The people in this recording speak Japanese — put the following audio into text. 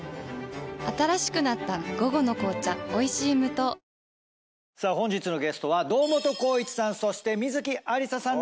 新しくなった「午後の紅茶おいしい無糖」本日のゲストは堂本光一さんそして観月ありささん